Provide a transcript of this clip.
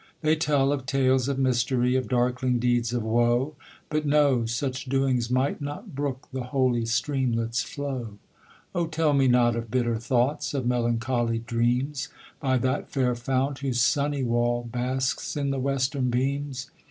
They tell of tales of mystery, Of darkling deeds of woe; But no! such doings might not brook The holy streamlet's flow. Oh tell me not of bitter thoughts, Of melancholy dreams, By that fair fount whose sunny wall Basks in the western beams.